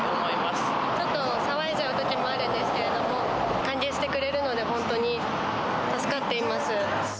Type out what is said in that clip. ちょっと騒いじゃうときもあるんですけど、歓迎してくれるので、本当に助かっています。